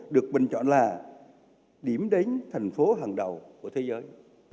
được bình chọn là điểm đến thành phố hàng đầu của thế giới